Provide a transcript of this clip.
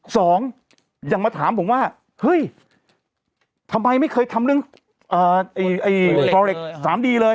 สองอย่างมาถามผมว่าเฮ้ยทำไมไม่เคยทำเรื่องไอ้ฟอเล็กสามดีเลย